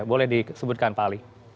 boleh disebutkan pak ali